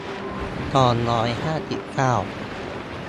สองร้อยห้าสิบเก้า